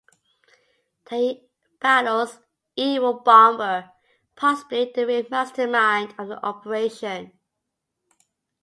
There he battles Evil Bomber, possibly the real mastermind of the operation.